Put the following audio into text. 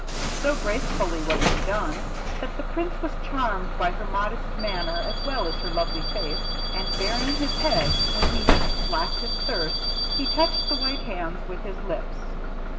So gracefully was it done, that the Prince was charmed by her modest manner as well as her lovely face, and baring his head when he had slaked his thirst, he touched the white hands with his lips.